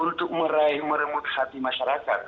untuk meraih meremut hati masyarakat